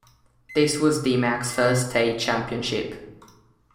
This was Deemack's first state championship.